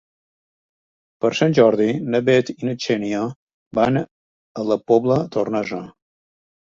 Per Sant Jordi na Bet i na Xènia van a la Pobla Tornesa.